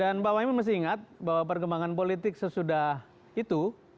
dan pak waimu mesti ingat bahwa perkembangan politik sesudah itu